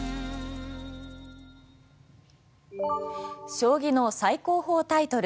将棋の最高峰タイトル